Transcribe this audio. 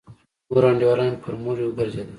نور انډيولان مې پر مړيو گرځېدل.